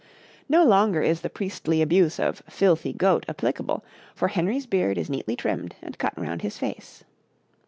] No longer is the priestly abuse of 'filthy goat' applicable, for Henry's beard is neatly trimmed and cut round his face.